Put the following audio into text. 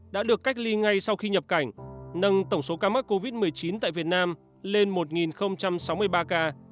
đã được cách ly ngay sau khi nhập cảnh nâng tổng số ca mắc covid một mươi chín tại việt nam lên một sáu mươi ba ca